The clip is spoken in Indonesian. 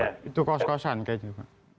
ya itu kos kosan kayak gitu pak